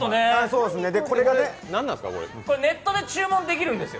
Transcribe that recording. ネットで注文できるんですよ。